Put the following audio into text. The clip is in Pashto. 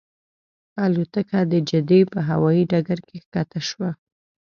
الوتکه د جدې په هوایي ډګر کې ښکته شوه.